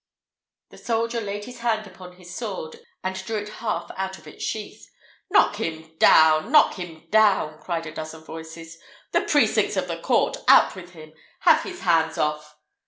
The soldier laid his hand upon his sword and drew it half out of its sheath. "Knock him down! knock him down!" cried a dozen voices. "The precincts of the court! out with him! Have his hand off!"